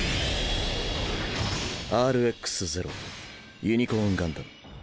ＲＸ−０ユニコーンガンダム。